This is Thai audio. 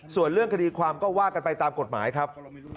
ส่วนเรื่องคดีความก็ว่ากันไปตามกฎหมายครับ